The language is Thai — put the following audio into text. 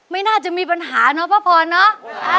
ไม่น่าจะมีปัญหาเนอะป้าพรเนาะ